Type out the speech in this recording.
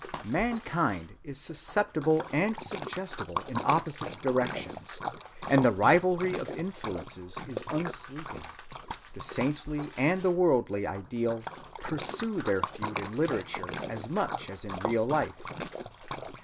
Mankind is susceptible and suggestible in opposite directions, and the rivalry of influences is unsleeping. The saintly and the worldly ideal pursue their feud in literature as much as in real life.